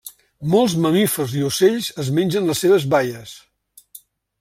Molts mamífers i ocells es mengen les seves baies.